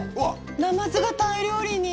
ナマズがタイ料理に。